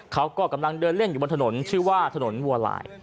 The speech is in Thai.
เขาก็กำลังเดินเล่นอยู่บนถนนชื่อว่าถนนวัวลาย